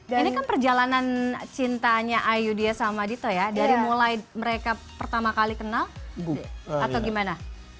ini kan perjalanan cintanya ayu dia sama dito ya dari mulai mereka pertama kali kenal atau gimana